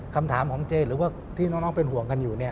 คำถามของเจหรือว่าที่น้องเป็นห่วงกันอยู่เนี่ย